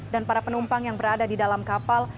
dan para penumpang yang berada di dalam kapal